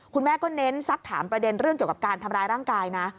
คุณแม่ก็เน้นสักถามประเด็นเรื่องเกี่ยวกับการทำร้ายร่างกายนะ